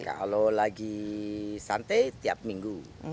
kalau lagi santai tiap minggu